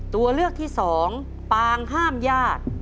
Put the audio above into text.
ตัวเลือกที่สองปางห้ามญาติ